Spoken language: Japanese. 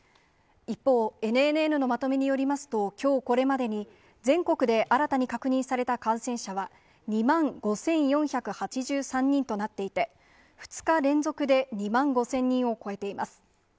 一方、ＮＮＮのまとめによりますと、きょうこれまでに全国で新たに確認された感染者は、２万５４８３人となっていて、２日連続で２万５０００人を超えています。